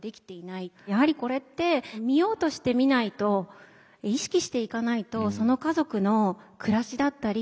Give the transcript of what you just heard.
やはりこれって見ようとして見ないと意識していかないとその家族の暮らしだったり